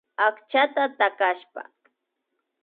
Achskata takashpa